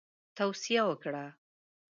توصیه وکړه.